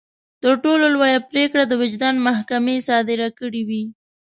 تر ټولو لويه پرېکړه د وجدان محکمې صادره کړې وي.